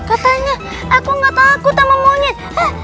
katanya aku gak takut sama monyet